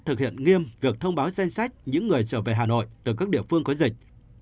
thực hiện nghiêm việc thông báo danh sách những người trở về hà nội từ các địa phương có dịch